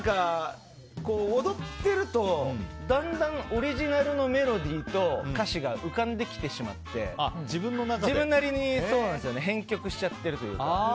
踊ってるとだんだんオリジナルのメロディーと歌詞が浮かんできてしまって自分なりに編曲しちゃってるというか。